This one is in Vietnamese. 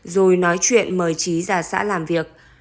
rồi nói chuyện mời trí ra xã làm việc